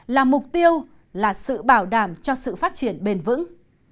là mục tiêu là sự bảo đảm cho sự phát triển bền vững